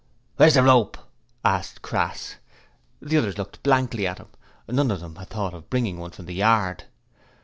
'Where's the rope?' asked Crass. The others looked blankly at him. None of them had thought of bringing one from the yard.